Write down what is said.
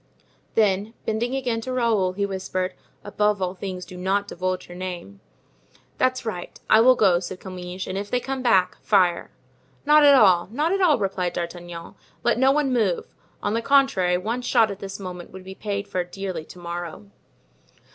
Then bending again to Raoul, he whispered: "Above all things do not divulge your name." "That's right. I will go," said Comminges; "and if they come back, fire!" "Not at all—not at all," replied D'Artagnan; "let no one move. On the contrary, one shot at this moment would be paid for dearly to morrow."